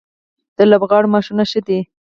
د لوبغاړو معاشونه ښه دي؟